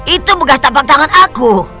itu begas tampak tangan aku